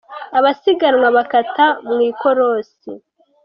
Abasiganwa bakata mu ikorosi.